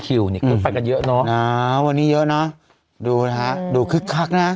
คือไปกันเยอะเนอะนะวันนี้เยอะเนอะดูนะครับดูคึกคักนะ